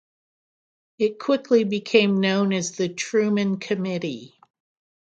It quickly became known as the Truman Committee.